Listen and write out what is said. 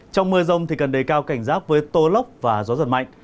trong mưa rông thì cần đầy cao cảnh rác với tố lốc và gió giật mạnh